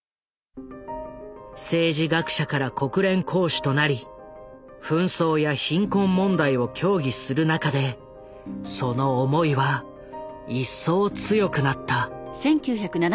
政治学者から国連公使となり紛争や貧困問題を協議する中でその思いは一層強くなった。